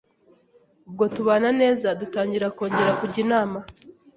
Ubwo tubana neza, dutangira kongera kujya inama,